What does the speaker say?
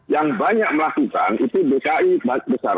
yang banyak melakukan itu dki besar